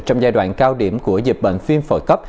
trong giai đoạn cao điểm của dịch bệnh phim phổi cấp